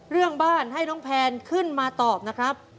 เรื่องบ้านให้น้องแพนขึ้นมาตอบนะครับ